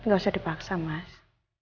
gak usah dipaksa mas